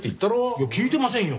いや聞いてませんよ。